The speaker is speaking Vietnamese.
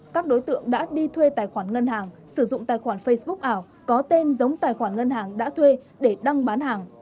các đối tượng đã đi thuê tài khoản ngân hàng sử dụng tài khoản facebook ảo có tên giống tài khoản ngân hàng đã thuê để đăng bán hàng